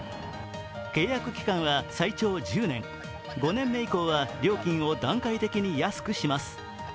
契約期間は最長１０年、５年目以降は料金を段階的に安くします。